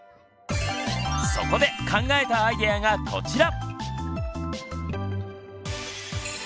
そこで考えたアイデアがこちら！